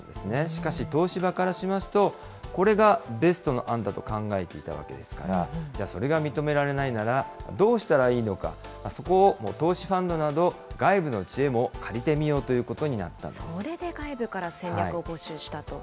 しかし、東芝からしますと、これがベストの案だと考えていたわけですから、じゃあ、それが認められないなら、どうしたらいいのか、そこを投資ファンドなど、外部の知恵も借りてみようということにそれで外部から戦略を募集したと。